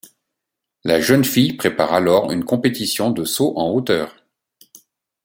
La jeune fille prépare alors une compétition de saut en hauteur.